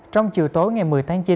trong chiều tối ngày một mươi tháng chín